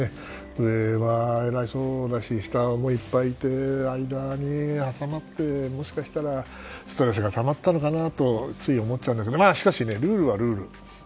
上もいて、下もいっぱいいて間に挟まれて、もしかしたらストレスがたまってたのかなとつい思っちゃうんだけどしかしルールはルール。